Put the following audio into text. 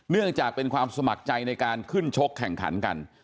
เนื่องจากเป็นความสมัครใจในการขึ้นชกแข่งขันกัน